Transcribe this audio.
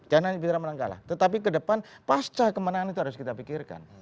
jangan hanya bicara menang kalah tetapi ke depan pasca kemenangan itu harus kita pikirkan